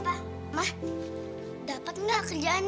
kan mereka pula yang gegen ni